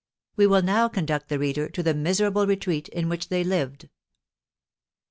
We will now conduct the reader to the miserable retreat in which they lived.